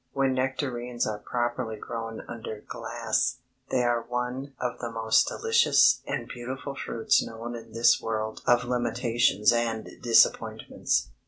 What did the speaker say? When nectarines are properly grown under glass, they are one of the most delicious and beautiful fruits known in this world of limitations and disappointments.